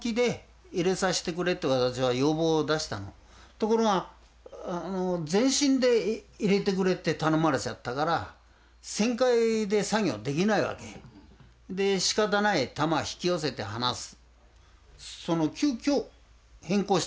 ところが前進で入れてくれって頼まれちゃったから旋回で作業できないわけ。で仕方ない球引き寄せて放す。